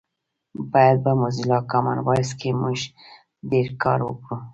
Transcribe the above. باید په موزیلا کامن وایس کې مونږ ډېر کار وکړو